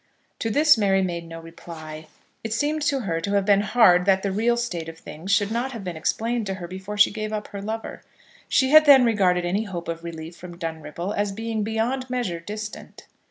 To this Mary made no reply. It seemed to her to have been hard that the real state of things should not have been explained to her before she gave up her lover. She had then regarded any hope of relief from Dunripple as being beyond measure distant.